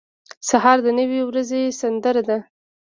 سهار د نوې ورځې سندره ده.